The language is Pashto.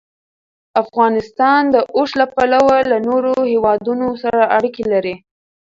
افغانستان د اوښ له پلوه له نورو هېوادونو سره اړیکې لري.